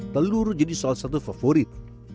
telur jadi salah satu favorit